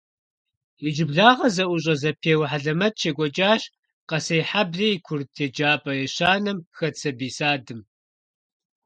Иджыблагъэ зэIущIэ-зэпеуэ хьэлэмэт щекIуэкIащ Къэсейхьэблэ и курыт еджапIэ ещанэм хэт сабий садым.